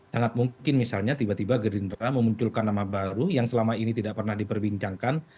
sangat mungkin misalnya tiba tiba gerindra memunculkan nama baru yang selama ini tidak pernah diperbincangkan